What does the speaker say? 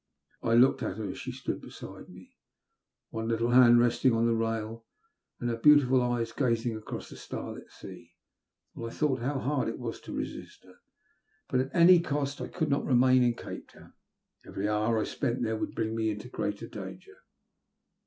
I looked at her as she stood beside me, one little hand resting on the rail and her beautiful eyes gazing across the starlit sea, and thought how hard it was to resist her. But at any cost I could not remain in Cape Town. Every hour I spent there would bring me into greater danger.